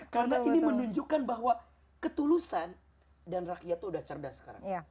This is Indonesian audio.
karena ini menunjukkan bahwa ketulusan dan rakyat itu udah cerdas sekarang